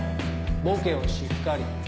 ボケをしっかり。